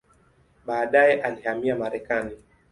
Baadaye alihamia Marekani.